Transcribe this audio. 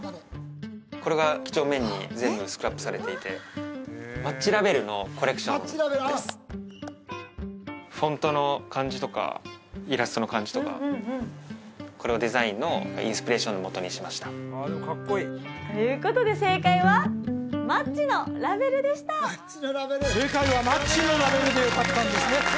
これがきちょうめんに全部スクラップされていてマッチラベルのコレクションですフォントの感じとかイラストの感じとかこれをデザインのインスピレーションのもとにしましたということで正解は「マッチのラベル」でした正解は「マッチのラベル」でよかったんですね